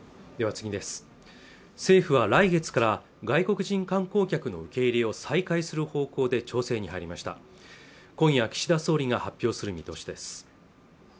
政府は来月から外国人観光客の受け入れを再開する方向で調整に入りました今夜、岸田総理が発表する見通しです